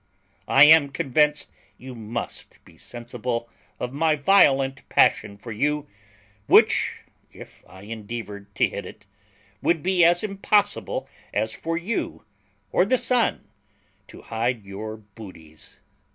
I am konvinced you must be sinsibel of my violent passion for you, which, if I endevored to hid it, would be as impossible as for you, or the son, to hid your buty's.